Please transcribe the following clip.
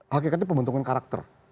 hakikatnya pembentukan karakter